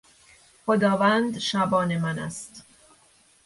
خداوند شبان من است...